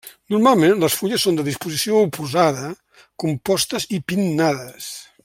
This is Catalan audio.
Normalment les fulles són de disposició oposada, compostes i pinnades.